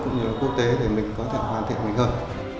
cũng như quốc tế thì mình có thể hoàn thiện mình hơn